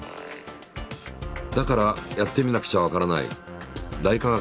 だからやってみなくちゃわからない「大科学実験」で。